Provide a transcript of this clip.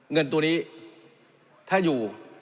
เงินตัวนี้ถ้าอยู่